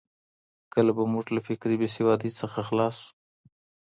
کله به موږ له فکري بېسوادۍ څخه خلاص سو؟